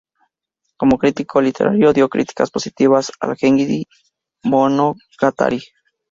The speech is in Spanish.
Como crítico literario, dio críticas positivas al "Genji Monogatari".